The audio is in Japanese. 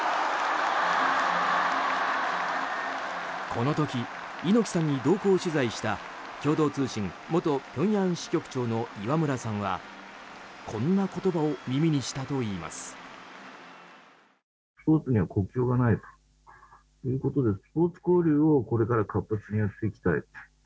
この時、猪木さんに同行取材した共同通信元ピョンヤン支局長の磐村さんはこんな言葉を耳にしたといいます。